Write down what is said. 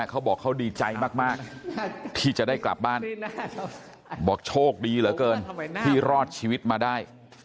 เขาบอกเขาดีใจมากที่จะได้กลับบ้านบอกโชคดีเหลือเกินที่รอดชีวิตมาได้